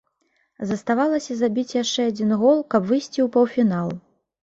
Заставалася забіць яшчэ адзін гол, каб выйсці ў паўфінал.